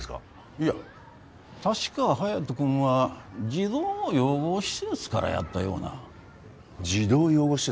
いや確か隼人君は児童養護施設からやったような児童養護施設？